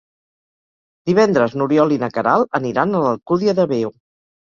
Divendres n'Oriol i na Queralt aniran a l'Alcúdia de Veo.